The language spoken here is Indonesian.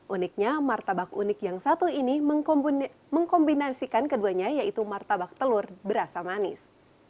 uniknya martabak unik yang satu ini mengkombinasikan keduanya yaitu martabak telur berasa manis